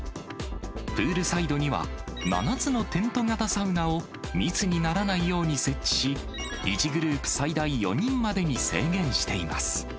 プールサイドには、７つのテント型サウナを密にならないように設置し、１グループ最大４人までに制限しています。